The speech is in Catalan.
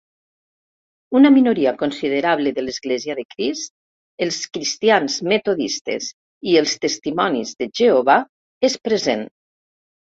Una minoria considerable de l'Església de Crist, els Cristians metodistes i els Testimonis de Jehovà és present.